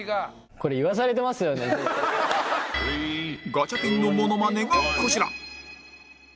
ガチャピンのモノマネがこちら